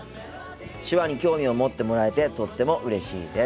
手話に興味を持ってもらえてとってもうれしいです。